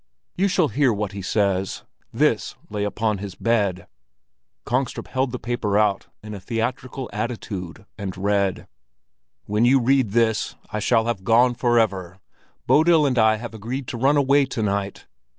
"You shall hear what he says. This lay upon his bed." Kongstrup held the paper out in a theatrical attitude and read: "When you read this, I shall have gone forever. Bodil and I have agreed to run away to night.